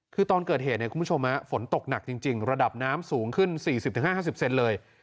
คือตอนเกิดเหตุเนี่ยคุณผู้ชมฝนตกหนักจริงจริงระดับน้ำสูงขึ้นสี่สิบถึงห้าห้าสิบเซนเลย